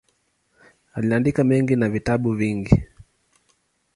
Aliandika mengi na vitabu vingi.